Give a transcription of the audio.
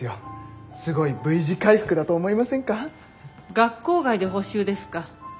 学校外で補習ですか。